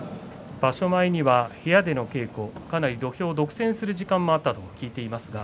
場所前には部屋で土俵を独占する時間もあったと聞いています。